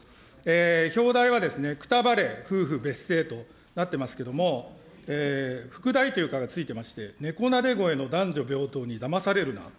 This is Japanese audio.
表題はくたばれ夫婦別姓となっていますけれども、副題というかが付いていまして、猫なで声の男女平等にだまされるな。